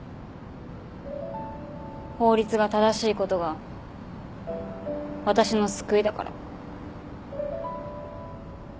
法律が正しいことが私の救いだから。